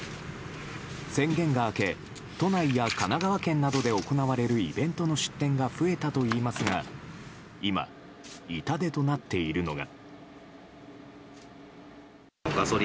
宣言が明け都内や神奈川県などで行われるイベントの出店が増えたといいますが今、痛手となっているのが。